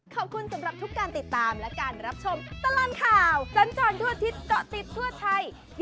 จนตอนทั่วทิศเกาะติดทั่วไทย